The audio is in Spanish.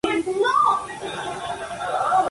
Es una versión de la canción original por Tom Petty.